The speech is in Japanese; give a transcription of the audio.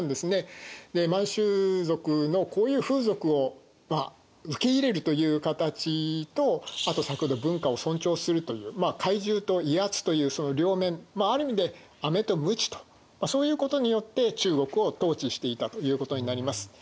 満州族のこういう風俗を受け入れるという形とあと先ほど文化を尊重するという懐柔と威圧というその両面ある意味であめとムチとそういうことによって中国を統治していたということになります。